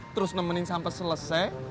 terus nemenin sampe selesai